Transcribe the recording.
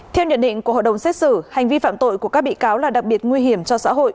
theo nhận định của hội đồng xét xử hành vi phạm tội của các bị cáo là đặc biệt nguy hiểm cho xã hội